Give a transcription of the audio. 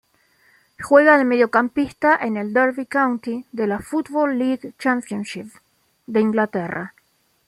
Juega de mediocampista en el Derby County de la Football League Championship de Inglaterra.